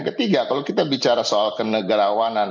ketiga kalau kita bicara soal kenegarawanan